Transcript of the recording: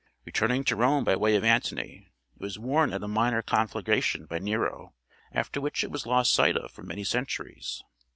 Returning to Rome by way of Antony it was worn at a minor conflagration by Nero, after which it was lost sight of for many centuries.